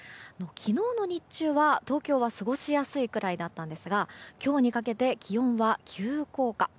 昨日の日中は東京は過ごしやすいくらいだったんですが今日にかけて気温は急降下。